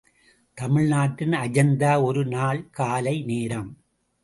தமிழ் நாட்டின் அஜந்தா ஒரு நாள் காலை நேரம்.